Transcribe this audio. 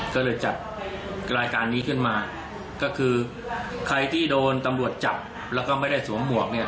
ก็เลยจัดรายการนี้ขึ้นมาก็คือใครที่โดนตำรวจจับแล้วก็ไม่ได้สวมหมวกเนี่ย